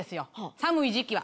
寒い時期は。